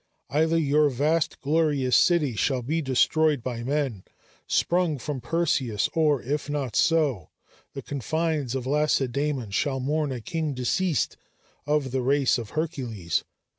either your vast glorious city shall be destroyed by men sprung from Perseus, or, if not so, the confines of Lacedæmon shall mourn a king deceased, of the race of Hercules.